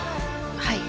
はい。